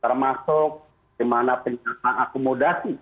termasuk kemana penyakit akumuda